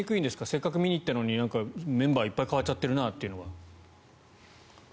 せっかく見に行ったのにメンバーいっぱい代わっちゃってるなというのは。